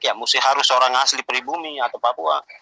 ya mesti harus orang asli pribumi atau papua